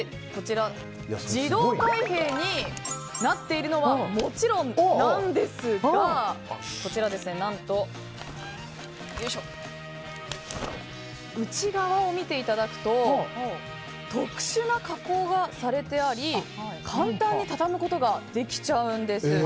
自動開閉になっているのはもちろんなんですがこちら何と内側を見ていただくと特殊な加工がされてあり簡単に畳むことができちゃうんです。